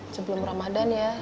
sebelum ramadhan ya